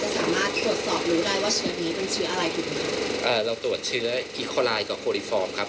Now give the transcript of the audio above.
ทางวัลปาจะสามารถตรวจศอกรู้ได้ว่าเชื้อนี้เป็นเชื้ออะไรถึงครับ